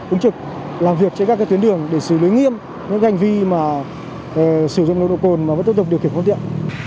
ứng trực làm việc trên các tuyến đường để xử lý nghiêm những hành vi sử dụng nồng độ cồn và tiếp tục điều kiện phong tiện